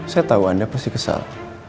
saya tahu anda pasti kesal